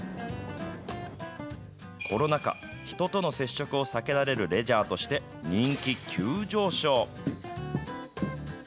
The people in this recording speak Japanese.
コロナ禍、人との接触を避けられるレジャーとして、人気急上昇。